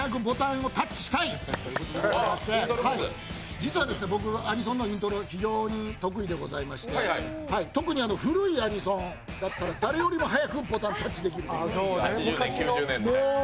実は僕、アニソンのイントロ非常に得意でございまして特に古いアニソンだったら、誰よりも早くボタンにタッチできます。